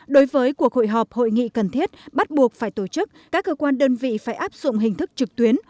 đối với cuộc hội họp hội nghị cần thiết bắt buộc phải tổ chức các cơ quan đơn vị phải áp dụng hình thức trực tuyến